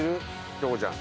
京子ちゃん。